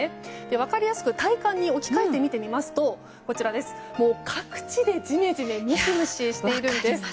分かりやすく体感に置き換えてみてみますと各地でジメジメムシムシしているんです。